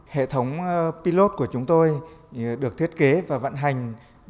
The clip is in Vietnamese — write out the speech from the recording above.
hệ thống pilot của chúng tôi được thiết kế và vận hành